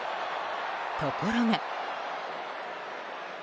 ところが。